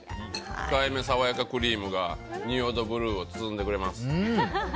控えめ爽やかクリームが仁淀ブルーを包んでくれます。